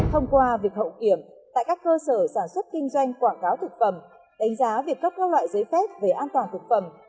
thông qua việc hậu kiểm tại các cơ sở sản xuất kinh doanh quảng cáo thực phẩm đánh giá việc cấp các loại giấy phép về an toàn thực phẩm